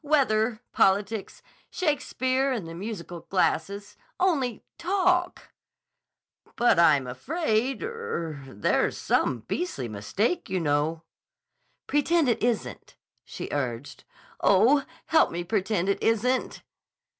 Weather. Politics. 'Shakespeare and the musical glasses.' Only, talk!" "But I'm afraid—er—there's some beastly mistake, you know." "Pretend it isn't," she urged. "Oh, help me pretend it isn't."